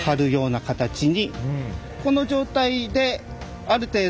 この状態である程度